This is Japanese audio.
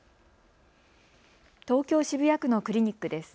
東京渋谷区のクリニックです。